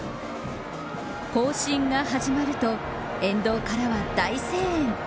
行進が始まると沿道からは大声援。